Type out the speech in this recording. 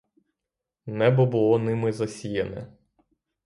Небо було ними засіяне.